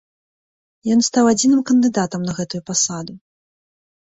Ён стаў адзіным кандыдатам на гэтую пасаду.